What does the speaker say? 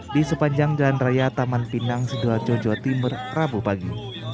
di sepanjang jalan raya taman pinang sidoarjo jawa timur rabu pagi